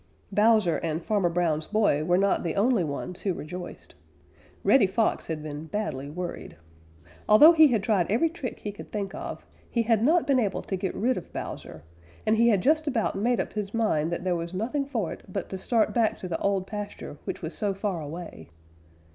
Bowser and Farmer Brown's boy were not the only ones who rejoiced. Reddy Fox had been badly worried. Although he had tried every trick he could think of, he had not been able to get rid of Bowser, and he had just about made up his mind that there was nothing for it but to start back to the Old Pasture which was so far away.